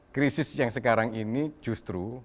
krisis yang sekarang ini justru